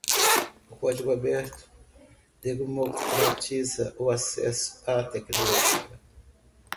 Código aberto democratiza o acesso à tecnologia.